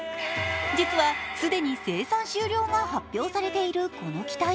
実は、既に生産終了が発表されているこの機体。